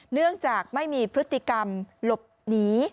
เนื่องจากไม่มีพฤติกรรมหลบหนี